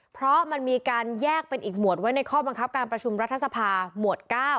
เพราะมันมีการแยกเป็นอีกหมวดไว้ในข้อบังคับการประชุมรัฐสภาหมวด๙